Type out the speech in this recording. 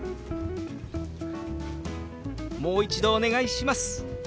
「もう一度お願いします」。